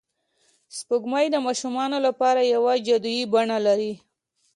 سپوږمۍ د ماشومانو لپاره یوه جادويي بڼه لري